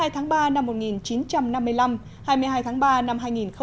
hai mươi hai tháng ba năm một nghìn chín trăm năm mươi năm hai mươi hai tháng ba năm hai nghìn một mươi bảy